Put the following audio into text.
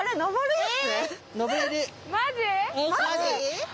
マジ！？